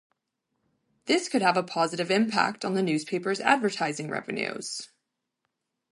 This could have a positive impact on the newspaper's advertising revenues.